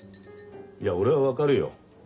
いや俺は分かるよ。